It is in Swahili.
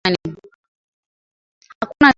hakuna taarifa nyingi za kina kuhusu Mlima Oldeani